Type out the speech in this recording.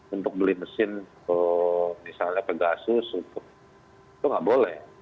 untuk beli mesin ke misalnya pegasus itu nggak boleh